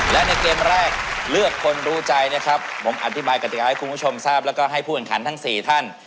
และในเกมแรกเลือกคนรู้ใจนะครับผมอธิบายกติกาให้คุณผู้ชมทราบแล้วก็ให้ผู้แข่งขันทั้ง๔ท่าน